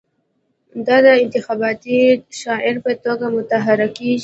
دا د انتخاباتي شعار په توګه مطرح کېږي.